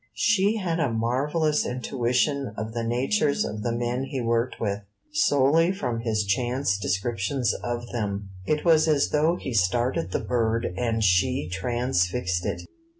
She had a marvellous intuition of the natures of the men he worked with, solely from his chance descriptions of them; it was as though he started the bird and she transfixed it.